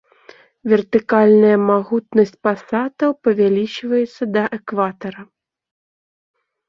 Вертыкальная магутнасць пасатаў павялічваецца да экватара.